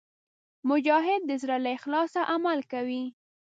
مجاهد د زړه له اخلاصه عمل کوي.